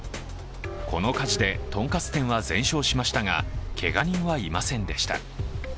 この火事で、とんかつ店は全焼しましたが、けが人はいませんでした。